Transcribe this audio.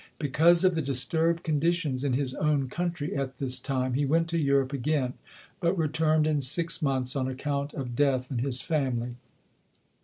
Because of the disturbed conditions in his own country at this time, he went to Europe again but returned in six months on account of death in his family.